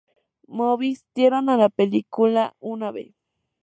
Movies dieron a la película una "B-".